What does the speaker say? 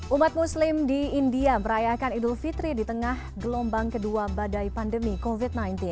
umat muslim di india merayakan idul fitri di tengah gelombang kedua badai pandemi covid sembilan belas